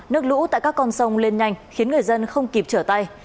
nước lũ tại các con sông lên nhanh khiến người dân không kịp trở tay